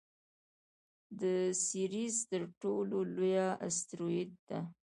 د سیریز تر ټولو لویه اسټرويډ ده.